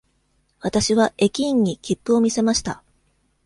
わたしは駅員に切符を見せました。